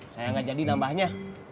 saya nggak jadi nambahnya